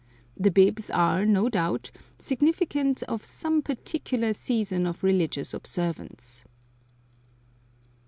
The bibs are, no doubt, significant of some particular season of religious observance.